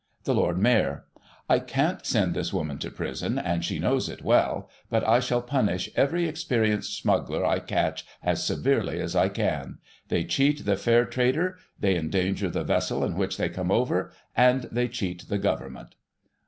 The Lord Mayor : I can't send this woman to prison, and she knows it well, but I shall punish every experienced smuggler I catch as severely as I can. They cheat the fair trader, they endanger the vessel in which they come over, and they cheat the Government.